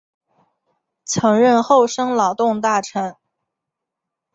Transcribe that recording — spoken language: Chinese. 曾任厚生劳动大臣。